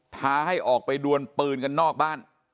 ท้าให้ออกไปดวนปืนกันนอกบ้าน